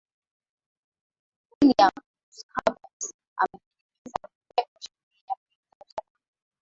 william schabas amependekeza kuwekwa sheria ya kulinda usalama